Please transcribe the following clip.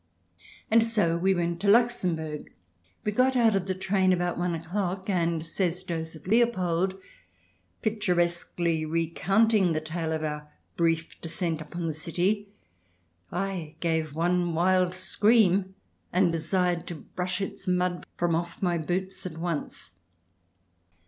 And so we went to Luxembourg. We got out of the train about one o'clock, and, says Joseph 269 270 THE DESIRABLE ALIEN [ch. xx Leopold, picturesquely recounting the tale of our brief descent upon the city, I gave one wild scream and desired to brush its mud from off my boots at once.